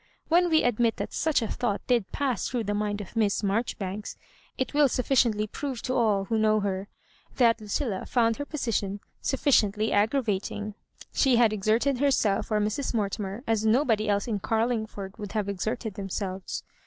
When we admit that suctv a thought did pass through the mind of Miss Marjoribanks, it will sufficiently prove to all who know her that Lucilla found her position sufficiently aggra^ vating. She had exerted herself for Mrs. Mor timer as nobody else in Garlingford would have exerted themselves.